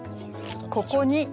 ここに。